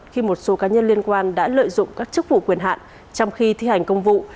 khi một số cá nhân liên quan đã lợi dụng các chức vụ quyền hạn trong khi thi hành công vụ